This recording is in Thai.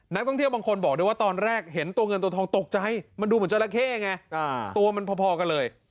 นักท่องเที่ยวบางคนบอกด้วยว่าตอนแรกเห็นตัวเงินตัวทองตกใจมันดูเหมือนจราเข้ไงตัวมันพอกันเลย